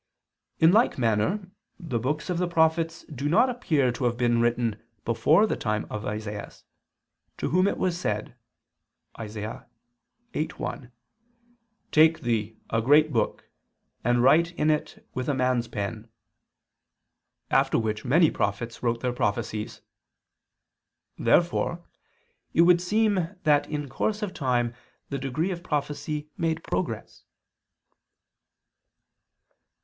In like manner the books of the prophets do not appear to have been written before the time of Isaias, to whom it was said (Isa. 8:1): "Take thee a great book and write in it with a man's pen," after which many prophets wrote their prophecies. Therefore it would seem that in course of time the degree of prophecy made progress.